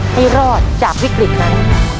ให้รอดจากวิกฤตนั้น